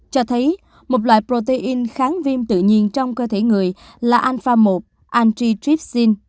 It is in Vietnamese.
cho thấy một loại protein kháng viêm tự nhiên trong cơ thể người là alpha một antitrypsin